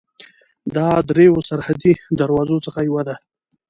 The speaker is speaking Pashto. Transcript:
دا د درېیو سرحدي دروازو څخه یوه ده.